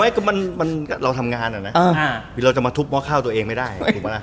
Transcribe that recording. ก็มันเราทำงานอ่ะนะเราจะมาทุบหม้อข้าวตัวเองไม่ได้